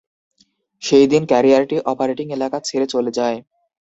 সেই দিন, ক্যারিয়ারটি অপারেটিং এলাকা ছেড়ে চলে যায়।